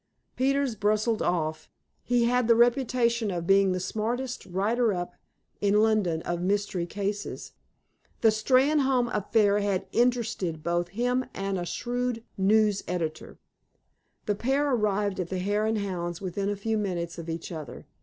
Peters bustled off. He had the reputation of being the smartest "writer up" in London of mystery cases. The Steynholme affair had interested both him and a shrewd news editor. The pair arrived at the Hare and Hounds within a few minutes of each other.